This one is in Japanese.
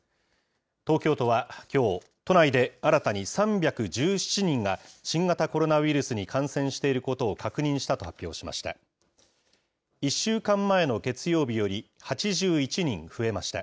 東京都はきょう、都内で新たに３１７人が新型コロナウイルスに感染していることを確認したと発表しました。